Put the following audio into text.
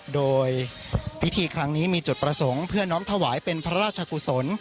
โดยพิธีครั้งนี้มีจุดประสงค์เพื่อน้องถวายเป็นพระราชกุศล